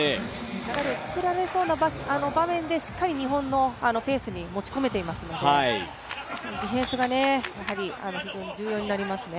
流れを作られそうな場面で、しっかり日本のペースに持ち込めていますので、ディフェンスが非常に重要になりますね。